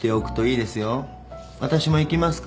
私も行きますからぜひ。